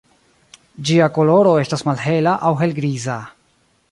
Ĝia koloro estas malhela aŭ helgriza.